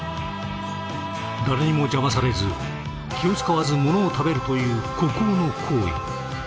誰にも邪魔されず気を遣わずものを食べるという孤高の行為。